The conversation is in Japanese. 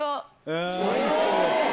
最高。